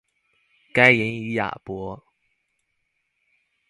該隱與亞伯